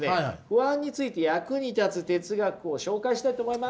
不安について役に立つ哲学を紹介したいと思います。